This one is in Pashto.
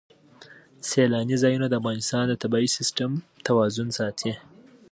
سیلانی ځایونه د افغانستان د طبعي سیسټم توازن ساتي.